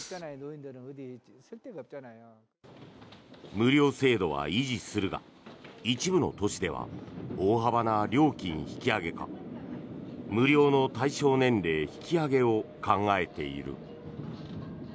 無料制度は維持するが一部の都市では大幅な料金引き上げか無料の対象年齢引き上げを考えている。